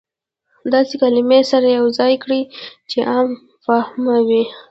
داسې کلمې سره يو ځاى کړى چې عام فهمه وي.